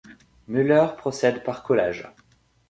Müller procède par collages.